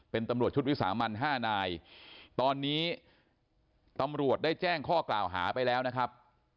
เป็นตำรวจชุดวิสามันห้านายตอนนี้ตำรวจได้แจ้งข้อกล่าวหาไปแล้วนะครับ